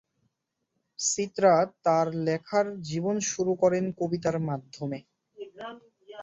চিত্রা তার লেখার জীবন শুরু করেন কবিতার মাধ্যমে।